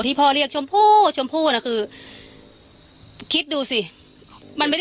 ที่มีข่าวเรื่องน้องหายตัว